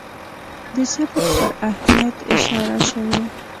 د صبر پر اهمیت اشاره شوې.